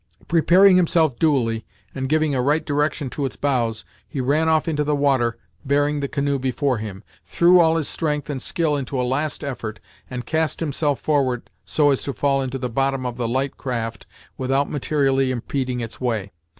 Preparing himself duly, and giving a right direction to its bows, he ran off into the water bearing the canoe before him, threw all his strength and skill into a last effort, and cast himself forward so as to fall into the bottom of the light craft without materially impeding its way.